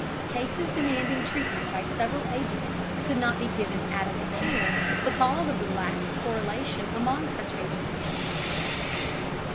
Cases demanding treatment by several agencies could not be given adequate care because of the lack of correlation among such agencies.